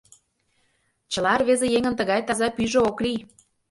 Чыла рвезе еҥын тыгай таза пӱйжӧ ок лий.